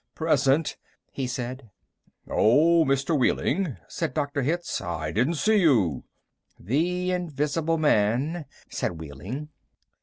"Present," he said. "Oh, Mr. Wehling," said Dr. Hitz, "I didn't see you." "The invisible man," said Wehling.